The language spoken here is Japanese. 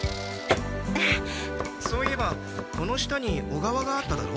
そういえばこの下に小川があっただろう？